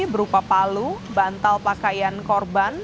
berupa palu bantal pakaian korban